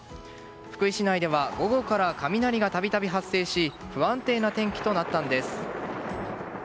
福井市内では午後から雷がたびたび発生し不安定な天気となったんです。